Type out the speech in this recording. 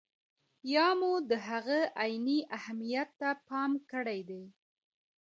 یا مو د هغه عیني اهمیت ته پام کړی دی.